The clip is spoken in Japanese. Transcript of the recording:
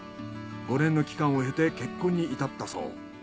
５年の期間を経て結婚に至ったそう。